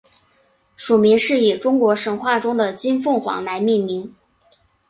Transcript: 属名是以中国神话中的金凤凰来命名。